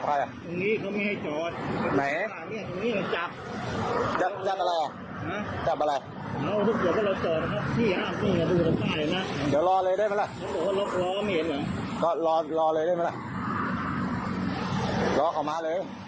รอออกออกมาเลย